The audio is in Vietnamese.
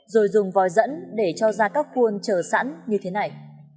rồi dùng vòi dẫn để cho ra các cuôn trở sẵn như thế này